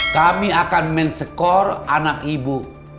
kami akan men skor anak ibu